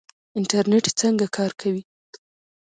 انټرنیټ څنګه کار کوي؟